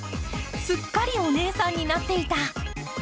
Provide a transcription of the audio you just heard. すっかりお姉さんになっていた。